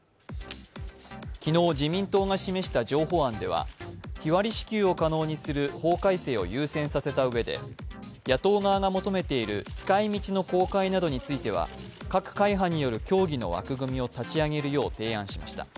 昨日、自民党が示した譲歩案では日割り支給を可能にする法改正を優先させたうえで野党側が求めている使い道の公開などについては各会派による協議の枠組みを立ち上げるよう提案しました。